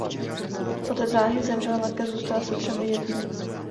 Otec záhy zemřel a matka zůstala se třemi dětmi.